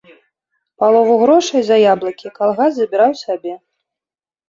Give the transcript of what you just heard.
Палову грошай за яблыкі калгас забіраў сабе.